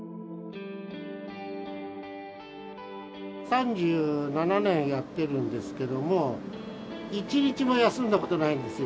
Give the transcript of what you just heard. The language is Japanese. ３７年やってるんですけども一日も休んだことないんですよ。